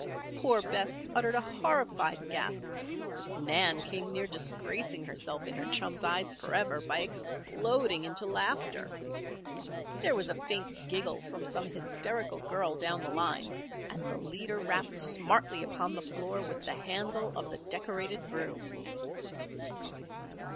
_ Poor Bess uttered a horrified gasp; Nan came near disgracing herself in her chum's eyes forever, by exploding into laughter. There was a faint giggle from some hysterical girl down the line and the leader rapped smartly upon the floor with the handle of the decorated broom.